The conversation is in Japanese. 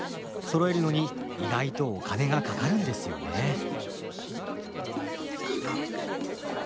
そろえるのに意外とお金がかかるんですよねえ。